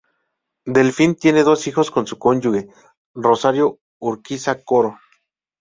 Delfín tiene dos hijos con su cónyuge, Rosario Urquiza Coro.